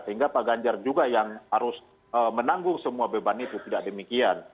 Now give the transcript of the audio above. sehingga pak ganjar juga yang harus menanggung semua beban itu tidak demikian